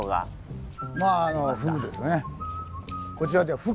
まあフグですね。